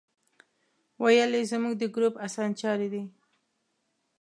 ویل یې زموږ د ګروپ اسانچاری دی.